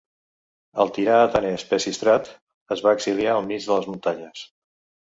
El tirà atenès Pisístrat es va exiliar al mig de les muntanyes.